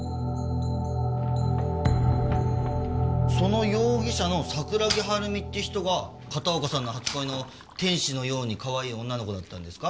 その容疑者の桜木春美って人が片岡さんの初恋の天使のようにかわいい女の子だったんですか？